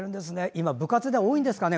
今、部活では多いんですかね